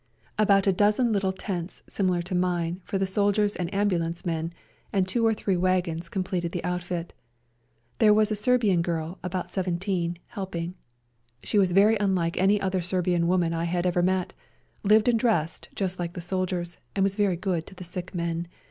About a dozen little tents, similar to mine, for the soldiers and ambulance men, and two or three wagons completed the outfit. There was a Serbian girl, about seven teen, helping ; she was very unlike any other Serbian woman I had ever met, lived and dressed just like the soldiers, and was very good to the sick men.